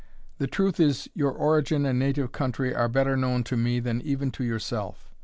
The truth is, your origin and native country are better known to me than even to yourself.